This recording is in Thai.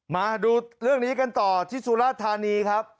มาดูเรื่องนี้กันต่อที่สุราธานีครับ